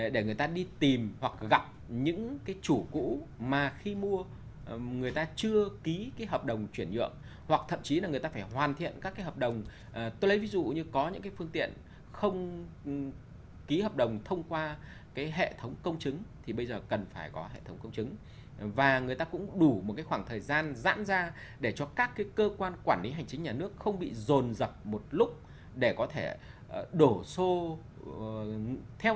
để người ta đi tìm hoặc gặp những cái chủ cũ mà khi mua người ta chưa ký cái hợp đồng chuyển nhượng hoặc thậm chí là người ta phải hoàn thiện các cái hợp đồng tôi lấy ví dụ như có những cái phương tiện không ký hợp đồng thông qua cái hệ thống công chứng thì bây giờ cần phải có hệ thống công chứng và người ta cũng đủ một cái khoảng thời gian dãn ra để cho các cái cơ quan quản lý hành chính nhà nước không bị dồn dập một lúc để có thể đổ xô theo tâm trạng